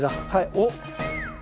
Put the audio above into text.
おっ。